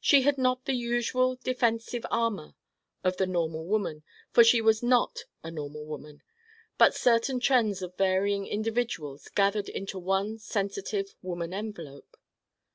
She had not the usual defensive armor of the normal woman, for she was not a normal woman but certain trends of varying individuals gathered into one sensitive woman envelope.